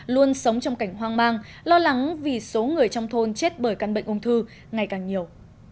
luôn sống trong cảnh hoang mang lo lắng vì số người trong thôn chết bởi căn bệnh ung thư ngày càng nhiều